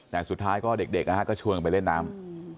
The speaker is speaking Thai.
แต่สุดท้ายก็เด็กนะฮะก็ชวนกันไปเล่นน้ำ